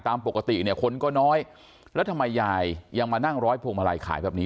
ตามปกติเนี่ยคนก็น้อยแล้วทำไมยายยังมานั่งร้อยพวงมาลัยขายแบบนี้